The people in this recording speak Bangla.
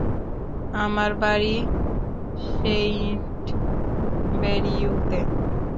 আমার বাড়ি সেইন্ট-বারিইউতে।